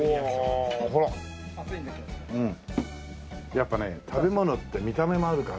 やっぱね食べ物って見た目もあるから。